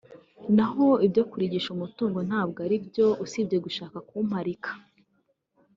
naho ibyo kurigisa umutungo ntabwo ari byo usibye gushaka kumparabika”